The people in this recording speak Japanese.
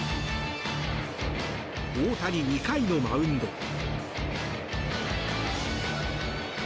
大谷、２回のマウンド。